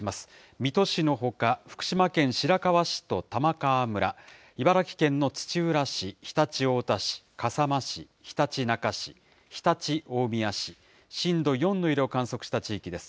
水戸市のほか白河市のほか玉川村、茨城県の土浦市、常陸太田市、笠間市、ひたちなか市、常陸大宮市、震度４の揺れを観測した地域です。